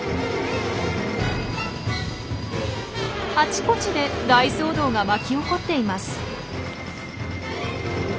あちこちで大騒動が巻き起こっています。